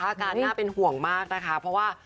อาการน่าเป็นห่วงมากนะคะเพราะว่า